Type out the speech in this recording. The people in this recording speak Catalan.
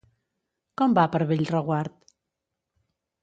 Com va per Bellreguard?